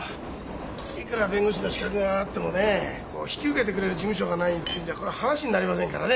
いくら弁護士の資格があってもね引き受けてくれる事務所がないっていうんじゃこれ話になりませんからね。